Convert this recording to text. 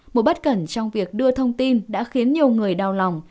một bất cẩn trong việc đưa thông tin đã khiến nhiều người đau lòng